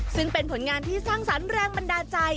ซึ่งเป็นผลงานที่สร้างสรรค์แรงบันดาลใจ